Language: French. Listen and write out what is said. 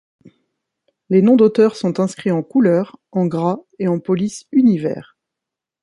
Les noms d'auteurs sont inscrits en couleur, en gras et en police Univers.